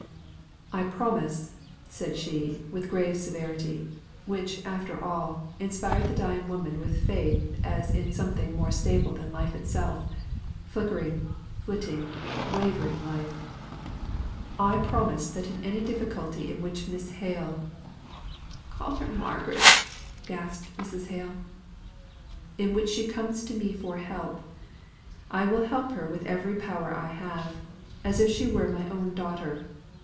"I promise," said she, with grave severity; which, after all, inspired the dying woman with faith as in something more stable than life itself, flickering, flittering, wavering life! "I promise that in any difficulty in which Miss Hale" "Call her Margaret!" gasped Mrs. Hale. "In which she comes to me for help, I will help her with every power I have, as if she were my own daughter.